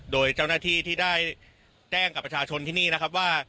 โดยเจ้าหน้าที่ที่ได้แจ้งกับประชาชนที่นี่นะครับว่า